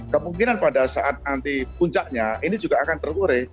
kemungkinan pada saat anti puncaknya ini juga akan terkure